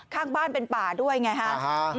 ข้างบ้านเป็นป่าด้วยไงฮะ